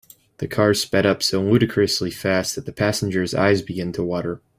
The car sped up so ludicrously fast that the passengers eyes began to water.